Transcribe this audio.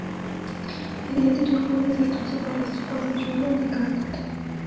El día anterior fue desastroso para las tropas de Jourdan y Carnot.